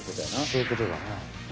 そういうことだね。